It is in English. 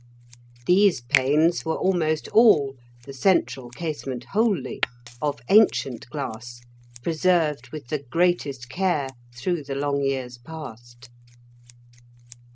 These panes were almost all (the central casement wholly) of ancient glass, preserved with the greatest care through the long years past.